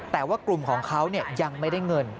แต่ว่ากลุ่มของเขายังไม่ได้เงิน